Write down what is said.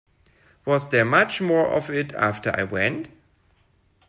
Was there much more of it after I went?